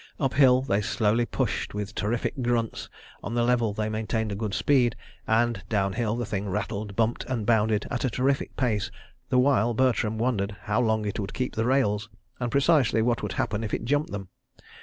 Up hill they slowly pushed with terrific grunts, on the level they maintained a good speed, and down hill the thing rattled, bumped and bounded at a terrific pace, the while Bertram wondered how long it would keep the rails, and precisely what would happen if it jumped them.